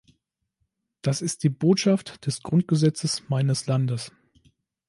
Das ist die Botschaft des Grundgesetzes meines Landes.